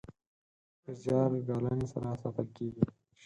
په زیار ګالنې سره ساتل کیږي.